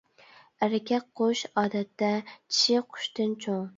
ئەركەك قۇش ئادەتتە چىشى قۇشتىن چوڭ.